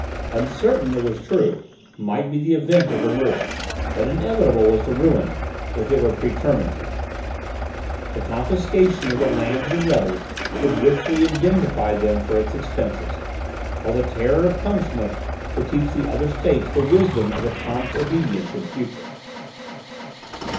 Uncertain, it was true, might be the event of the war, but inevitable was the ruin if it were pretermitted. The confiscation of the lands of the rebels would richly indemnify them for its expenses, while the terror of punishment would teach the other states the wisdom of a prompt obedience in future."